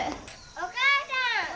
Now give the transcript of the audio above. お母さん！